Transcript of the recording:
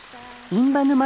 インバモ。